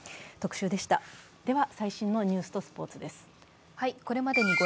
では最新のニュースとスポーツです。